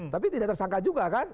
tapi tidak tersangka juga kan